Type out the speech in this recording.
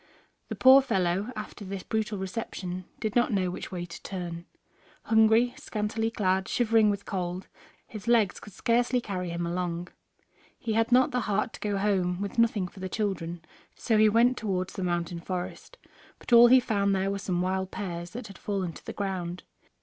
The poor fellow, after this brutal reception, did not know which way to turn. Hungry, scantily clad, shivering with cold, his legs could scarcely carry him along. He had not the heart to go home, with nothing for the children, so he went towards the mountain forest. But all he found there were some wild pears that had fallen to the ground.